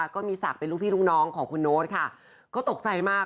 ก็มีศักดิ์เป็นลูกพี่ลูกน้องของคุณโน๊ตค่ะก็ตกใจมาก